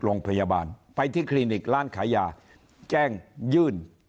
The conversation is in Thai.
โรงพยาบาลไปที่คลินิกร้านขายยาแจ้งยื่น